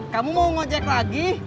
kamu mau ngejek lagi